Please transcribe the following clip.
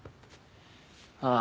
ああ。